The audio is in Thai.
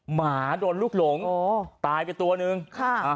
หมาโดนลูกหลงอ๋อตายไปตัวหนึ่งค่ะอ่า